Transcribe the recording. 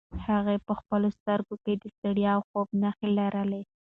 هغه په خپلو سترګو کې د ستړیا او خوب نښې لرلې.